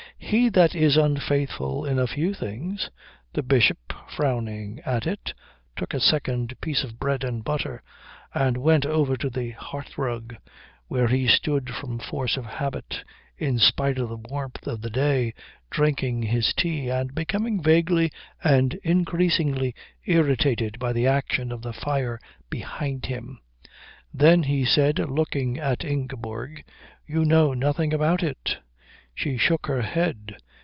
He that is unfaithful in a few things " The Bishop, frowning at it, took a second piece of bread and butter, and went over to the hearthrug, where he stood from force of habit, in spite of the warmth of the day, drinking his tea, and becoming vaguely and increasingly irritated by the action of the fire behind him. "Then," he said, looking at Ingeborg, "you know nothing about it?" She shook her head.